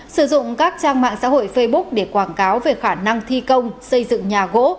sử dụng các trang mạng xã hội facebook để quảng cáo về khả năng thi công xây dựng nhà gỗ